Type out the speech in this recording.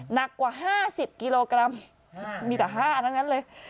หนักกว่า๕๐กิโลกรัมมีแต่๕อันนั้นเลย